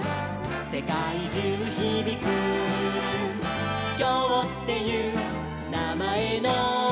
「せかいじゅうひびく」「きょうっていうなまえの」